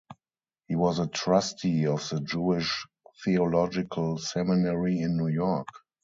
He was a trustee of the Jewish Theological Seminary in New York.